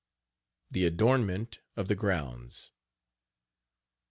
THE ADORNMENT OF THE GROUNDS.